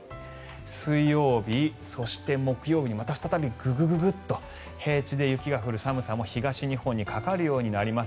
水曜日、そして木曜日にまた再びグググっと平地で雪が降る寒さも東日本にかかります。